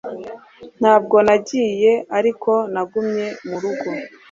Ntabwo nagiye ariko nagumye mu rugo